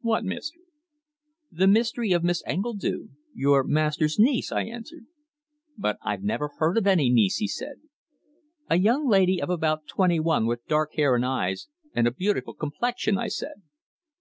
"What mystery?" "The mystery of Miss Engledue your master's niece," I answered. "But I've never heard of any niece," he said. "A young lady of about twenty one with dark hair and eyes, and a beautiful complexion," I said.